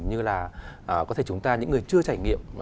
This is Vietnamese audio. như là có thể chúng ta những người chưa trải nghiệm